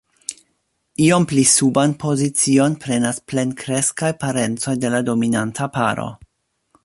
Iom pli suban pozicion prenas plenkreskaj parencoj de la dominanta paro.